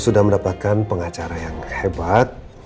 sudah mendapatkan pengacara yang hebat